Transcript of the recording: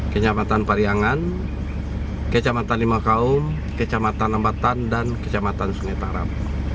kecamatan pariangan kecamatan limakaum kecamatan lembatan dan kecamatan sungai tarap